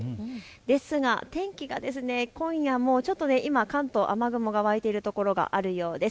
ですが、天気が今夜も今、関東、雨雲が湧いているところがあるようです。